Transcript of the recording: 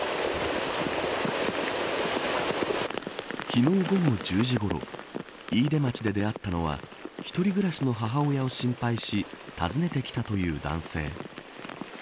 昨日午後１０時ごろ飯豊町で出会ったのは一人暮らしの母親を心配し訪ねてきたという男性。